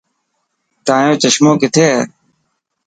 تايون چشمون ڪٿي هي.